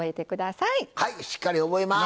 はいしっかり覚えます！